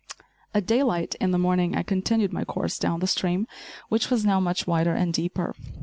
At daylight in the morning I continued my course down the stream which was now much wider and deeper.